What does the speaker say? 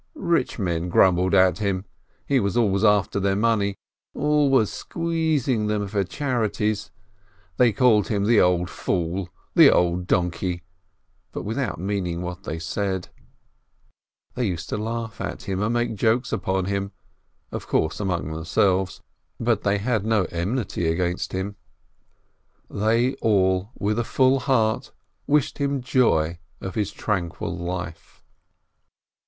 Rich men grumbled at him. He was always after their money — always squeezing them for charities. They called him the old fool, the old donkey, but without meaning what they said. They used to laugh at him, to make jokes upon him, of course among themselves; but they had no enmity against him. They all, with a full heart, wished him joy of his tranquil life.